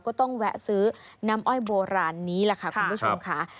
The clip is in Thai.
แวะซื้อน้ำอ้อยโบราณนี้แหละค่ะคุณผู้ชมค่ะ